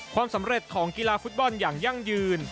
ความสำเร็จของกีฬาฟุตบอลอย่างยั่งยืน